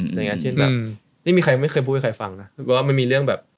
อย่างเช่นแบบไม่มีใครไม่เคยพูดให้ใครฟังนะว่ามันมีเรื่องแบบ